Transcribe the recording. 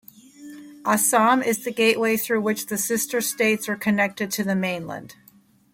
Assam is the gateway through which the sister states are connected to the mainland.